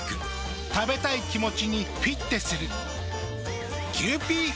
食べたい気持ちにフィッテする。